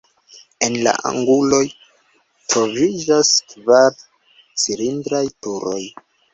En la anguloj troviĝas kvar cilindraj turoj.